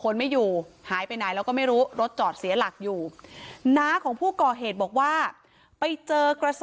รถเป็นจอดอยู่แบบนี้ค่ะตัวคนไม่อยู่